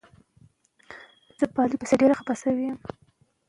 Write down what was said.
میرویس نیکه د پښتنو یو ریښتونی بابا و.